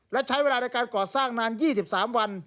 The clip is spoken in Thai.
และใช้เวลาในการก่อสร้างนาน๒๓วัน